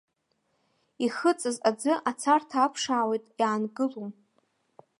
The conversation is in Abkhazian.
Ихыҵыз аӡы ацарҭа аԥшаауеит, иаангылом.